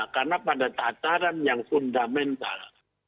karena pada tataran yang fundamental